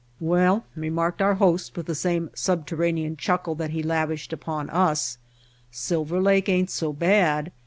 "Well," remarked our host with the same sub terranean chuckle that he lavished upon us, "Silver Lake ain't so bad.